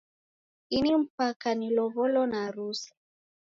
Ini mpaka nilow'olo na harusi.